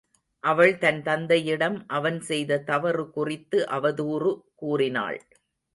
அவள் தன் தந்தையிடம் அவன் செய்த தவறுகுறித்து அவதூறு கூறினாள்.